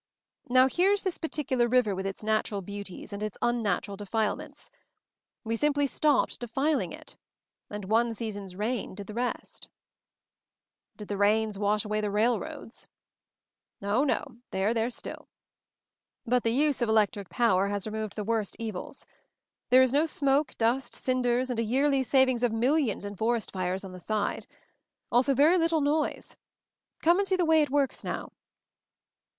Now here's this particular river with its natural beauties, and its unnatural defilements. We simply stopped defiling it — and one season's rain did the rest." J "Did the rains wash away the rail roads?" "Oh, no — they are there still. But the use of electric power has removed the worst evils. There is no smoke, dust, cinders, and a yearly saving of millions in forest fires on the side ! Also very little noise. Come and see the way it works now."